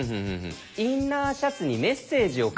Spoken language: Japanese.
「インナーシャツにメッセージを書いて見せた」。